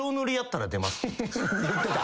言ってた。